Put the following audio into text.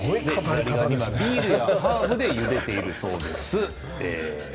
ハーブでゆでているそうです。